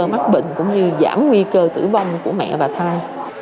nguy cơ mắc bệnh cũng như giảm nguy cơ tử vong của mẹ và thai